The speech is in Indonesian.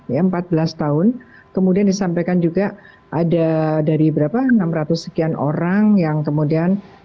ya empat belas tahun kemudian disampaikan juga ada dari berapa enam ratus sekian orang yang kemudian